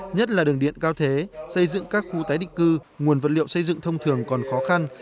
nhất là đường điện cao thế xây dựng các khu tái định cư nguồn vật liệu xây dựng thông thường còn khó khăn